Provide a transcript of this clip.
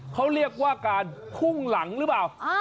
เขาเรียกว่าการพุ่งหลังหรือเปล่า